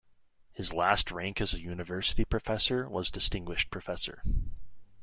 His last rank as a university professor was Distinguished Professor.